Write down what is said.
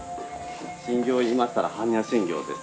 心経言いましたら般若心経です。